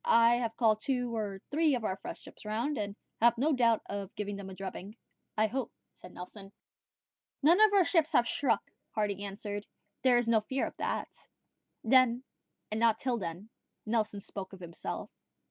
I have called two or three of our fresh ships round, and have no doubt of giving them a drubbing." "I hope," said Nelson, "none of our ships have struck." Hardy answered, "There is no fear of that." Then, and not till then, Nelson spoke of himself.